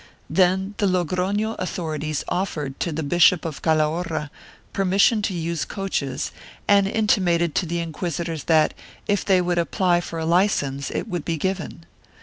Then the Logrofio authorities offered to the Bishop of Calahorra permission to use coaches and intimated to the inquisitors that, if they would apply for a licence, it would be given.